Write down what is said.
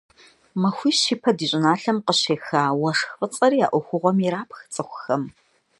Махуищ ипэ ди щӀыналъэм къыщеха уэшх фӀыцӀэри а Ӏуэхугъуэм ирапх цӀыхухэм.